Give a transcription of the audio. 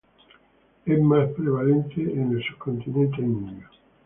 Es más prevalente en el subcontinente indio.